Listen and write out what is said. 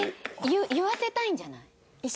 えっ言わせたいんじゃない？